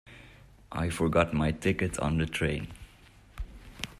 I forgot my ticket on the train.